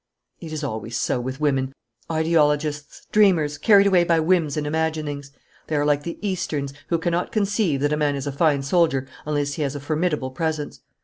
'It is always so with women ideologists, dreamers, carried away by whims and imaginings. They are like the Easterns, who cannot conceive that a man is a fine soldier unless he has a formidable presence.